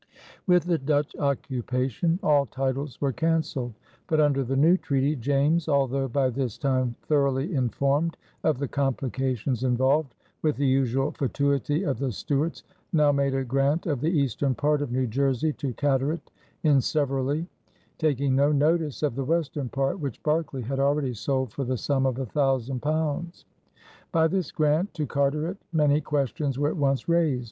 With the Dutch occupation all titles were canceled, but under the new treaty, James, although by this time thoroughly informed of the complications involved, with the usual fatuity of the Stuarts now made a grant of the eastern part of New Jersey to Carteret in severally, taking no notice of the western part, which Berkeley had already sold for the sum of a thousand pounds. By this grant to Carteret many questions were at once raised.